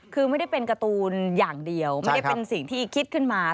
คือไม่ได้เป็นการ์ตูนอย่างเดียวไม่ได้เป็นสิ่งที่คิดขึ้นมา